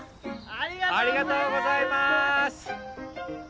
ありがとうございます。